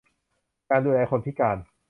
การดูแลคนพิการ